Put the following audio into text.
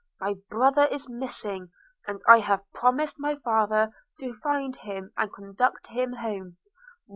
My brother is missing, and I have promised my father to find him and conduct him home.